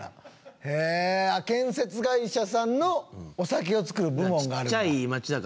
へえ、建設会社さんのお酒を作る部門があるんだ。